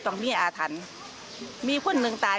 ควรจะตายอีกด้วย